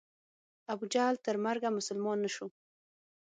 ابوجهل تر مرګه مسلمان نه شو.